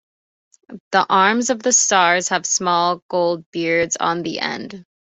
The arms of the stars have small gold beads on the end.